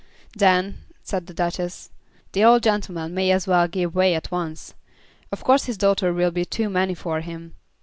"Then," said the Duchess, "the old gentleman may as well give way at once. Of course his daughter will be too many for him."